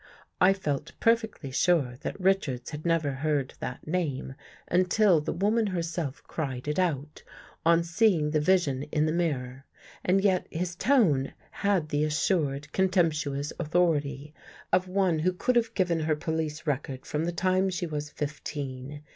I felt perfectly sure that Richards had never heard that name until the woman herself cried it out on seeing the vision in the mirror, and yet his tone had the assured, contemptuous authority of one who could have given her police record from the time she was fifteen.